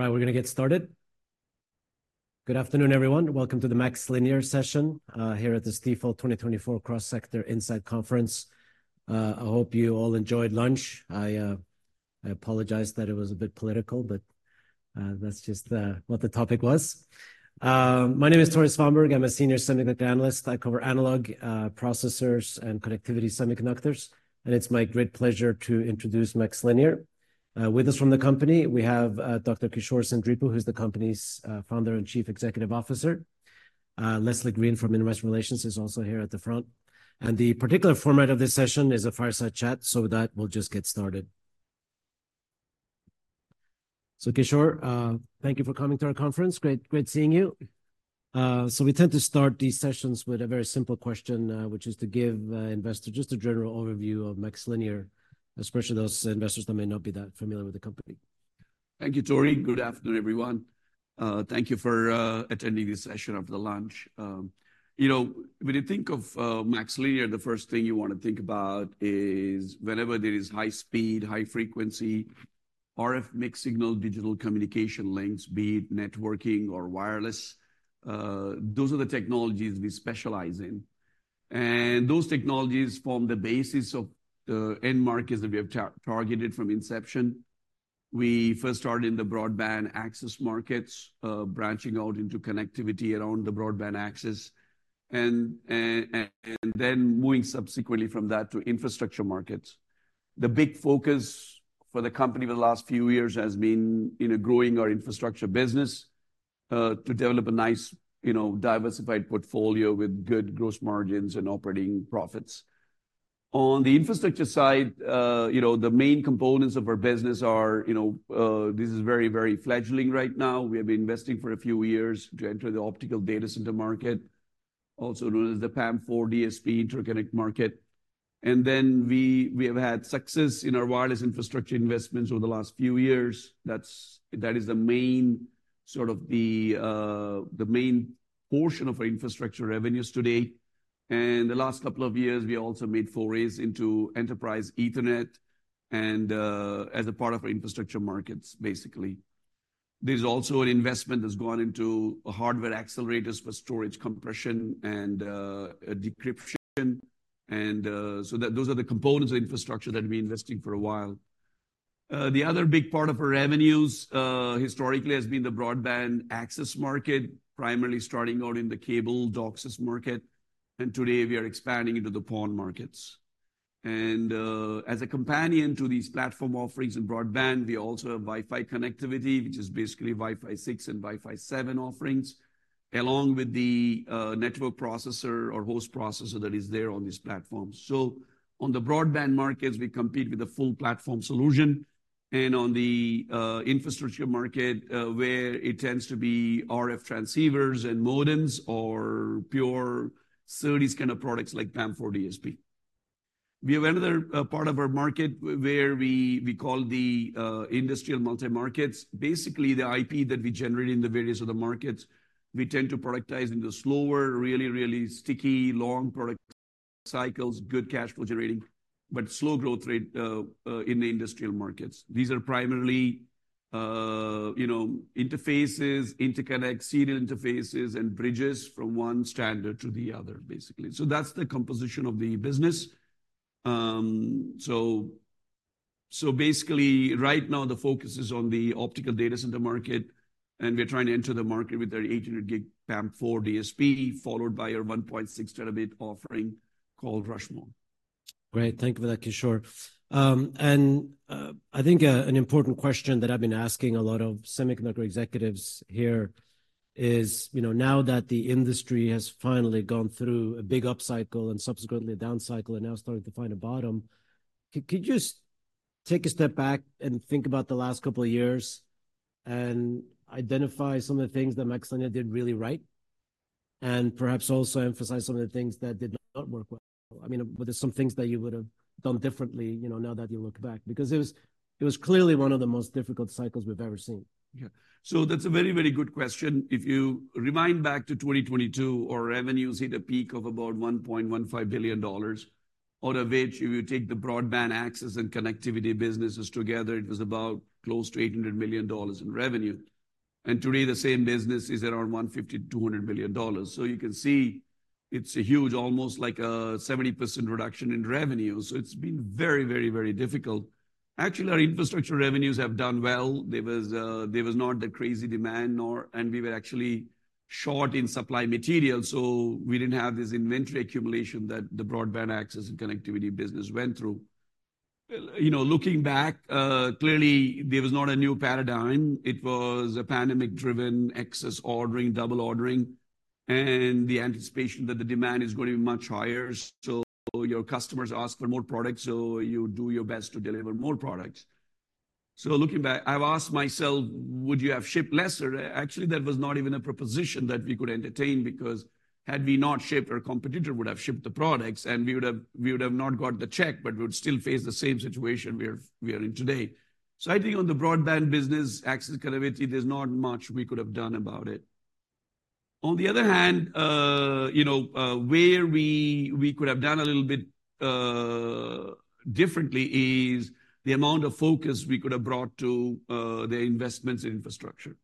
All right, we're gonna get started. Good afternoon, everyone. Welcome to the MaxLinear session here at the Stifel 2024 Cross Sector Insight Conference. I hope you all enjoyed lunch. I apologize that it was a bit political, but that's just what the topic was. My name is Tore Svanberg. I'm a Senior Semiconductor analyst. I cover analog processors and connectivity semiconductors, and it's my great pleasure to introduce MaxLinear. With us from the company, we have Dr. Kishore Seendripu, who's the company's founder and Chief Executive Officer. Leslie Green from Investor Relations is also here at the front. The particular format of this session is a fireside chat, so with that, we'll just get started. Kishore, thank you for coming to our conference. Great, great seeing you. We tend to start these sessions with a very simple question, which is to give the investor just a general overview of MaxLinear, especially those investors that may not be that familiar with the company. Thank you, Tore. Good afternoon, everyone. Thank you for attending this session after lunch. You know, when you think of MaxLinear, the first thing you want to think about is whenever there is high speed, high frequency, RF mixed signal, digital communication links, be it networking or wireless, those are the technologies we specialize in. And those technologies form the basis of the end markets that we have targeted from inception. We first started in the broadband access markets, branching out into connectivity around the broadband access and then moving subsequently from that to infrastructure markets. The big focus for the company over the last few years has been, you know, growing our infrastructure business to develop a nice, you know, diversified portfolio with good gross margins and operating profits. On the infrastructure side, you know, the main components of our business are, this is very, very fledgling right now. We have been investing for a few years to enter the optical data center market, also known as the PAM4 DSP interconnect market. And then we, we have had success in our wireless infrastructure investments over the last few years. That is the main portion of our infrastructure revenues today. And the last couple of years, we also made forays into enterprise Ethernet and, as a part of our infrastructure markets, basically. There's also an investment that's gone into hardware accelerators for storage compression and, decryption that those are the components of infrastructure that we've been investing for a while. The other big part of our revenues, historically, has been the broadband access market, primarily starting out in the cable DOCSIS market, and today we are expanding into the PON markets. And, as a companion to these platform offerings in broadband, we also have Wi-Fi connectivity, which is basically Wi-Fi 6 and Wi-Fi 7 offerings, along with the network processor or host processor that is there on these platforms. So on the broadband markets, we compete with a full platform solution, and on the infrastructure market, where it tends to be RF transceivers and modems or pure SerDes kind of products like PAM4 DSP. We have another part of our market where we call the industrial multi-markets. Basically, the IP that we generate in the various other markets, we tend to productize into slower, really, really sticky, long product cycles, good cash flow generating, but slow growth rate in the industrial markets. These are primarily, you know, interfaces, interconnects, SerDes interfaces, and bridges from one standard to the other, basically. So that's the composition of the business. So basically right now, the focus is on the optical data center market, and we are trying to enter the market with our 800G PAM4 DSP, followed by our 1.6 Tb offering called Rushmore. Great. Thank you for that, Kishore. And I think an important question that I've been asking a lot of semiconductor executives here is, you know, now that the industry has finally gone through a big upcycle and subsequently a downcycle and now starting to find a bottom, could you just take a step back and think about the last couple of years and identify some of the things that MaxLinear did really right, and perhaps also emphasize some of the things that did not work well? I mean, were there some things that you would have done differently, you know, now that you look back? Because it was, it was clearly one of the most difficult cycles we've ever seen. Yeah. So that's a very, very good question. If you rewind back to 2022, our revenues hit a peak of about $1.15 billion, out of which if you take the broadband access and connectivity businesses together, it was about close to $800 million in revenue. And today, the same business is around $150-$200 million. So you can see it's a huge, almost like a 70% reduction in revenue. So it's been very, very, very difficult. Actually, our infrastructure revenues have done well. There was not the crazy demand, nor and we were actually short in supply material, so we didn't have this inventory accumulation that the broadband access and connectivity business went through. You know, looking back, clearly there was not a new paradigm. It was a pandemic-driven excess ordering, double ordering, and the anticipation that the demand is going to be much higher. So your customers ask for more products, so you do your best to deliver more products. So looking back, I've asked myself, "Would you have shipped less?" Actually, that was not even a proposition that we could entertain, because had we not shipped, our competitor would have shipped the products, and we would have not got the check, but we would still face the same situation we are in today. So I think on the broadband business access connectivity, there's not much we could have done about it. On the other hand, you know, where we could have done a little bit differently is the amount of focus we could have brought to the investments in infrastructure.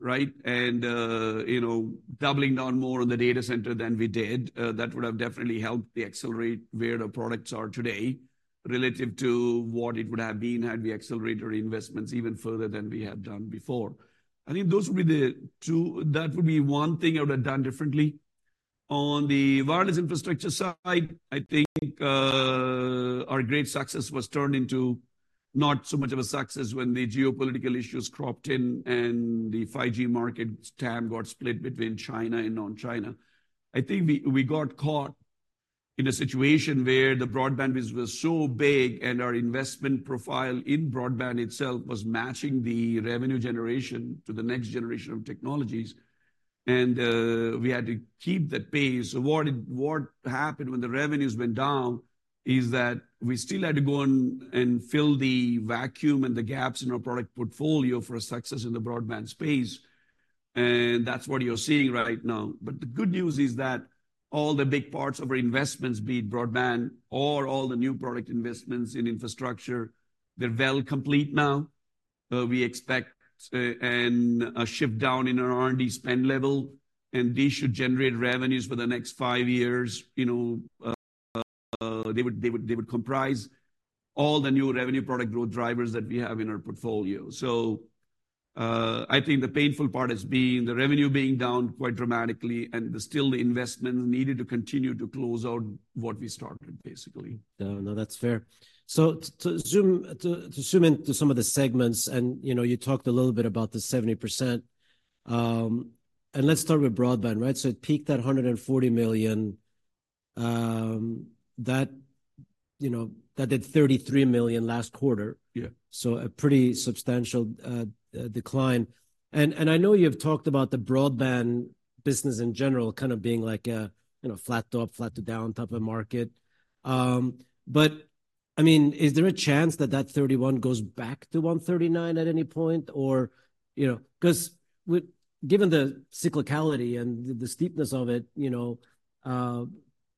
Right? And, you know, doubling down more on the data center than we did, that would have definitely helped the accelerate where the products are today relative to what it would have been had we accelerated our investments even further than we had done before. I think those would be the two that would be one thing I would have done differently. On the wireless infrastructure side, I think, our great success was turned into not so much of a success when the geopolitical issues cropped in and the 5G market TAM got split between China and non-China. I think we got caught in a situation where the broadband business was so big, and our investment profile in broadband itself was matching the revenue generation to the next generation of technologies, and we had to keep that pace. So what happened when the revenues went down is that we still had to go and fill the vacuum and the gaps in our product portfolio for our success in the broadband space, and that's what you're seeing right now. But the good news is that all the big parts of our investments, be it broadband or all the new product investments in infrastructure, they're well complete now. We expect and a shift down in our R&D spend level, and these should generate revenues for the next five years. You know, they would comprise all the new revenue product growth drivers that we have in our portfolio. So, I think the painful part has been the revenue being down quite dramatically, and there's still the investment needed to continue to close out what we started, basically. No, no, that's fair. So to zoom into some of the segments, and, you know, you talked a little bit about the 70%. And let's start with broadband, right? So it peaked at $140 million, you know, that did $33 million last quarter. So a pretty substantial decline. And I know you've talked about the broadband business in general, kind of being like a, you know, flat to up, flat to down type of market. But, I mean, is there a chance that that 31 goes back to 139 at any point? Or, you know, 'cause with—given the cyclicality and the, the steepness of it, you know,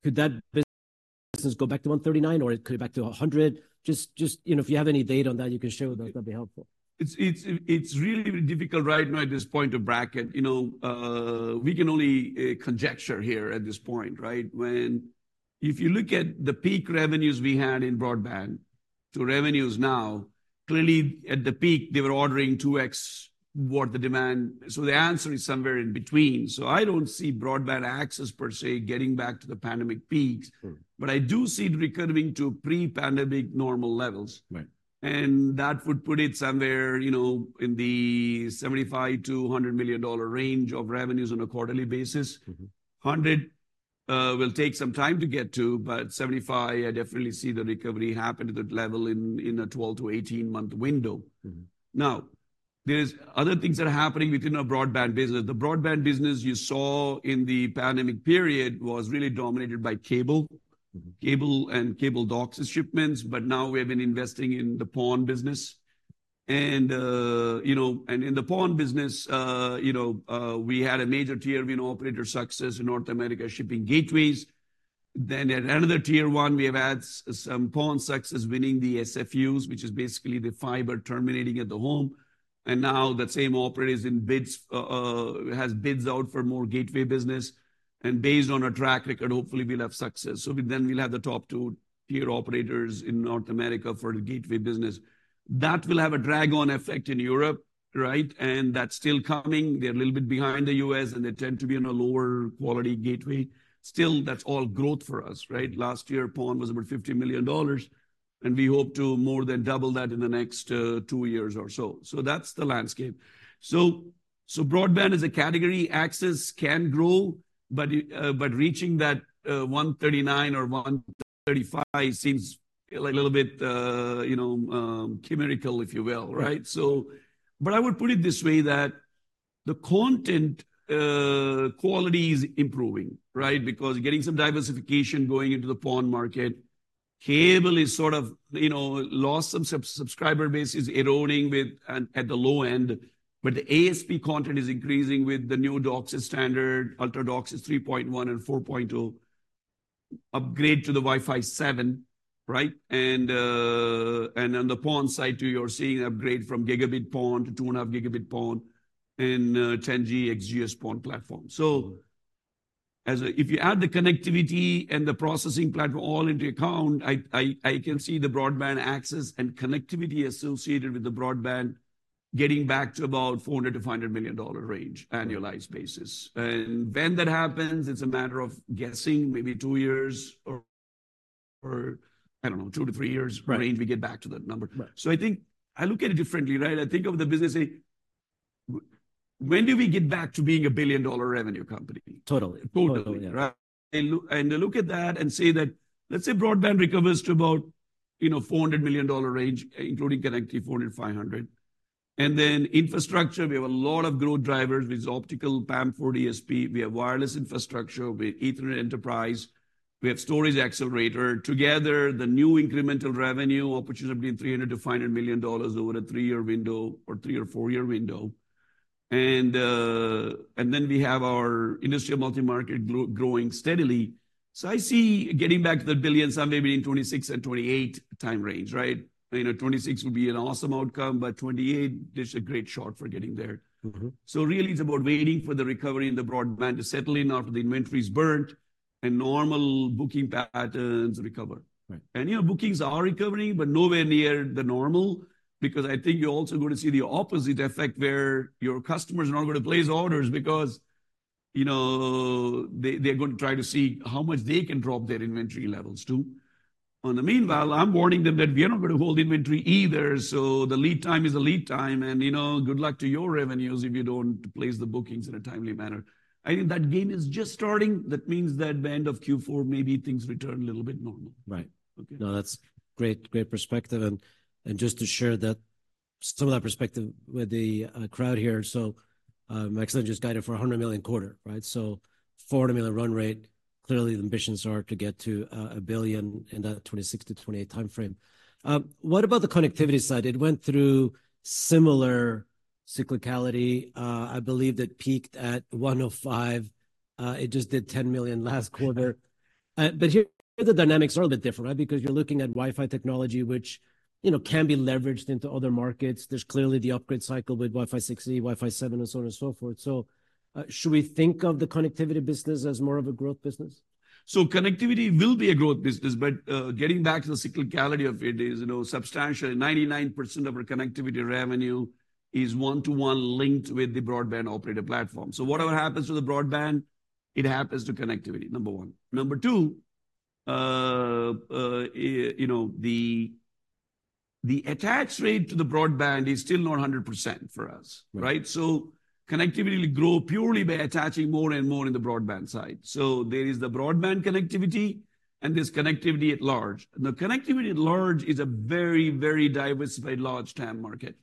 could that business go back to 139, or could it back to 100? Just, just, you know, if you have any data on that you can share with us, that'd be helpful. It's really difficult right now at this point to bracket. You know, we can only conjecture here at this point, right? If you look at the peak revenues we had in broadband to revenues now, clearly at the peak, they were ordering 2x what the demand. So the answer is somewhere in between. So I don't see broadband access per se getting back to the pandemic peaks but I do see it recovering to pre-pandemic normal levels. That would put it somewhere, you know, in the $75 million-$100 million range of revenues on a quarterly basis. 100 will take some time to get to, but 75, I definitely see the recovery happen to that level in a 12-18-month window. Now, there's other things that are happening within our broadband business. The broadband business you saw in the pandemic period was really dominated by cable. Cable and cable DOCSIS shipments, but now we've been investing in the PON business. And, you know, in the PON business, we had a major Tier 1 operator success in North America shipping gateways. Then at another Tier 1, we have had some PON success winning the SFUs, which is basically the fiber terminating at the home. And now that same operator is in bids, has bids out for more gateway business, and based on our track record, hopefully we'll have success. So then we'll have the top two Tier 1 operators in North America for the gateway business. That will have a drag-on effect in Europe, right? And that's still coming. They're a little bit behind the U.S., and they tend to be in a lower quality gateway. Still, that's all growth for us, right? Last year, PON was about $50 million, and we hope to more than double that in the next two years or so. That's the landscape. Broadband as a category, access can grow, but reaching that $139 million or $135 million seems a little bit, you know, chimerical, if you will, right? I would put it this way, that the content quality is improving, right? Because getting some diversification going into the PON market, cable is sort of, you know, lost some subscriber base is eroding at the low end, but the ASP content is increasing with the new DOCSIS standard. Ultra DOCSIS 3.1 and 4.2 upgrade to the Wi-Fi 7, right? On the PON side, too, you're seeing upgrade from gigabit PON to 2.5G PON and 10G XGS-PON platform. So if you add the connectivity and the processing platform all into account, I can see the broadband access and connectivity associated with the broadband getting back to about $400 million-$500 million range, annualized basis. And when that happens, it's a matter of guessing, maybe 2 years or, I don't know, 2-3 years range, we get back to that number. I think I look at it differently, right? I think of the business, when do we get back to being a billion-dollar revenue company? And look, and I look at that and say that, let's say broadband recovers to about, you know, $400 million range, including connectivity, $400-$500. And then infrastructure, we have a lot of growth drivers with optical PAM4 DSP, we have wireless infrastructure, we have Ethernet enterprise we have storage accelerator. Together, the new incremental revenue opportunity, $300-$500 million over a 3-year window or 3- or 4-year window. And then we have our Industrial Multi-Market grow, growing steadily. So I see getting back to the billions somewhere between 2026 and 2028 time range, right? 2026 would be an awesome outcome, but 2028 is a great shot for getting there. Really, it's about waiting for the recovery in the broadband to settle in after the inventory's burnt and normal booking patterns recover. You know, bookings are recovering, but nowhere near the normal, because I think you're also going to see the opposite effect, where your customers are not going to place orders because, you know, they, they're going to try to see how much they can drop their inventory levels, too. On the meanwhile, I'm warning them that we are not going to hold inventory either, so the lead time is the lead time, and, you know, good luck to your revenues if you don't place the bookings in a timely manner. I think that game is just starting. That means that by end of Q4, maybe things return a little bit normal. No, that's great, great perspective, and, and just to share that, some of that perspective with the crowd here. So, MaxLinear just guided for a $100 million quarter, right? So $400 million run rate. Clearly, the ambitions are to get to a $1 billion in that 2026-2028 time frame. What about the connectivity side? It went through similar cyclicality. I believe it peaked at $105 million. It just did $10 million last quarter. But here, the dynamics are a little bit different, right? Because you're looking at Wi-Fi technology, which, you know, can be leveraged into other markets. There's clearly the upgrade cycle with Wi-Fi 6E, Wi-Fi 7, and so on and so forth. So, should we think of the connectivity business as more of a growth business? So connectivity will be a growth business, but getting back to the cyclicality of it is, you know, substantial. 99% of our connectivity revenue is one-to-one linked with the broadband operator platform. So whatever happens to the broadband, it happens to connectivity, number one. Number two, you know, the attach rate to the broadband is still not 100% for us, right? So connectivity will grow purely by attaching more and more in the broadband side. So there is the broadband connectivity, and there's connectivity at large. The connectivity at large is a very, very diversified, large TAM market.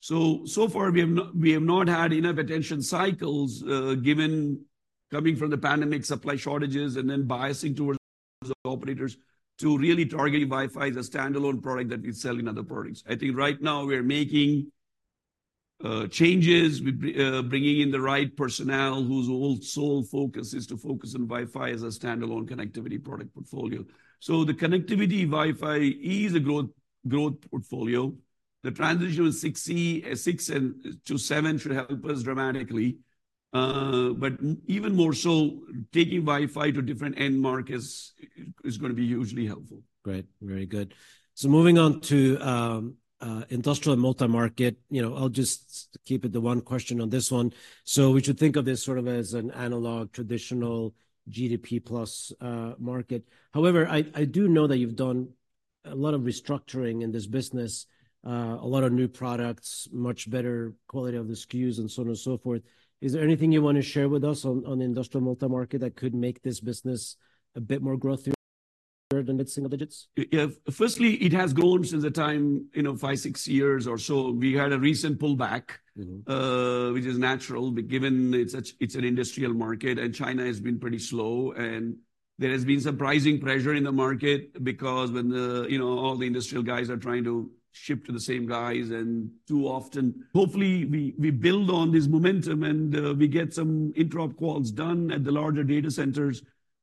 So far, we have not had enough attention cycles given coming from the pandemic supply shortages and then biasing towards the operators to really targeting Wi-Fi as a standalone product that we sell in other products. I think right now we're making changes. We're bringing in the right personnel whose sole focus is to focus on Wi-Fi as a standalone connectivity product portfolio. So the connectivity Wi-Fi is a growth portfolio. The transition with 6E, 6, and to 7 should help us dramatically. But even more so, taking Wi-Fi to different end markets is going to be hugely helpful. Great. Very good. So moving on to Industrial Multi-Market. I'll just keep it to one question on this one. So we should think of this sort of as an analog, traditional GDP plus market. However, I do know that you've done a lot of restructuring in this business, a lot of new products, much better quality of the SKUs, and so on and so forth. Is there anything you want to share with us on Industrial Multi-Market that could make this business a bit more growthy than its single digits? Firstly, it has grown since the time five, six years or so. We had a recent pullback which is natural, but given it's such, it's an industrial market, and China has been pretty slow, and there has been surprising pressure in the market because when the, you know, all the industrial guys are trying to ship to the same guys, and too often. Hopefully, we build on this momentum, and, we get some interop quals done at the larger data centers,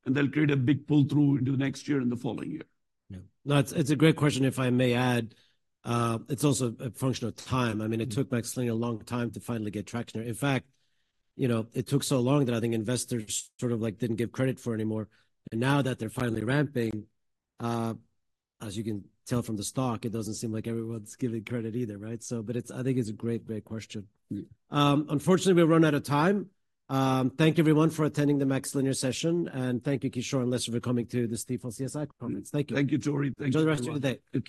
and they'll create a big pull-through into next year and the following year. Yeah. No, it's a great question, if I may add. It's also a function of time. I mean, it took MaxLinear a long time to finally get traction. In fact, you know, it took so long that I think investors sort of, like, didn't give credit for it anymore. And now that they're finally ramping, as you can tell from the stock, it doesn't seem like everyone's giving credit either, right? So, but it's. I think it's a great, great question. Unfortunately, we've run out of time. Thank you, everyone, for attending the MaxLinear session, and thank you, Kishore and Leslie, for coming to the Stifel CSI conference. Thank you. Thank you, Tore. Thank you very much. Enjoy the rest of the day.